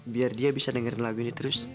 biar dia bisa dengerin lagu ini terus